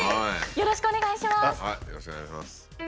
よろしくお願いします。